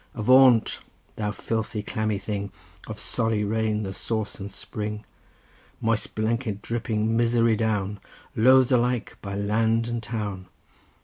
Avaunt, thou filthy, clammy thing, Of sorry rain the source and spring! Moist blanket dripping misery down, Loathed alike by land and town!